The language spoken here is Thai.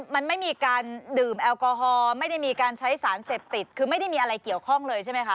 มันไม่มีการดื่มแอลกอฮอล์ไม่ได้มีการใช้สารเสพติดคือไม่ได้มีอะไรเกี่ยวข้องเลยใช่ไหมคะ